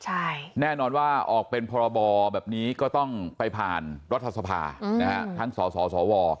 ใช่แน่นอนว่าออกเป็นพรบแบบนี้ก็ต้องไปผ่านรัฐสภานะฮะทั้งสสว